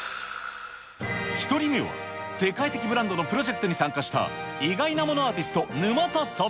１人目は、世界的ブランドのプロジェクトに参加した、意外なものアーティスト、沼田さん。